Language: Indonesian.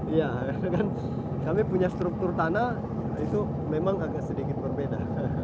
iya karena kan kami punya struktur tanah itu memang agak sedikit berbeda